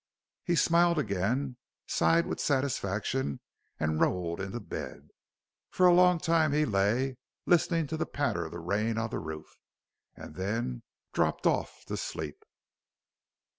He smiled again, sighed with satisfaction, and rolled into bed. For a long time he lay, listening to the patter of the rain on the roof, and then dropped off to sleep.